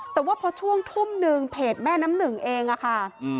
แต่ว่าพอช่วงทุ่มหนึ่งเพจแม่น้ำหนึ่งเองอะค่ะ